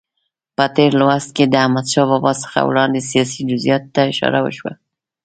په تېر لوست کې د احمدشاه بابا څخه وړاندې سیاسي جزئیاتو ته اشاره وشوه.